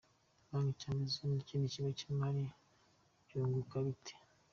Banki cyangwa ikindi kigo cy’imari byunguka bite?.